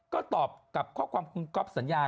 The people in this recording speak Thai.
ก็ตอบกับข้อความคุณก๊อฟสัญญา